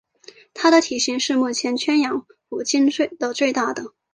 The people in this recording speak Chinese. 它的体型是目前圈养虎鲸中最大的。